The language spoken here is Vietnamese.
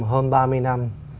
hơn ba mươi năm